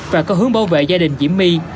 và có hướng bảo vệ gia đình diễm my